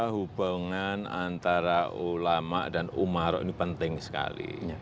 hubungan antara ulama dan umaro ini penting sekali